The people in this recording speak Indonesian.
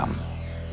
nanti dia nelfon kamu